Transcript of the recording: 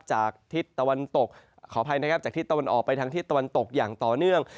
จากทิศตะวันออกไปทางทิศตะวันตกอย่างต่อเนื่อง